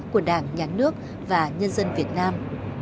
của đảng nhà nước và nhân dân việt nam